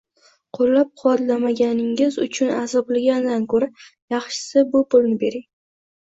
qo‘llab-quvvatlamaganingiz uchun azoblangandan ko‘ra yaxshisi bu pulni bering.